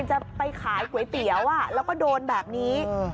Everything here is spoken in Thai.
จะไปขายก๋วยเตี๋ยวแล้วก็โดนแบบนี้